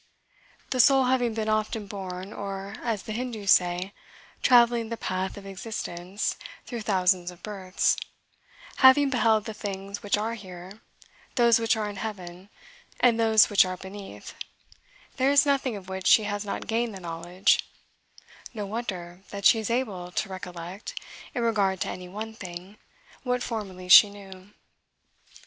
The soul having been often born, or, as the Hindoos say, "traveling the path of existence through thousands of births," having beheld the things which are here, those which are in heaven, and those which are beneath, there is nothing of which she has not gained the knowledge: no wonder that she is able to recollect, in regard to any one thing, what formerly she knew.